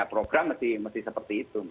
program mesti seperti itu